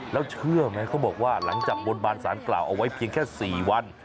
แล้วเชื่อไหมเขาบอกว่าหลังจากบนบานสารกล่าวเอาไว้เพียงแค่๔วัน